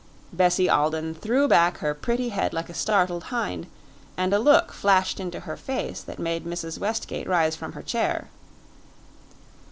Bessie Alden threw back her pretty head like a startled hind, and a look flashed into her face that made Mrs. Westgate rise from her chair.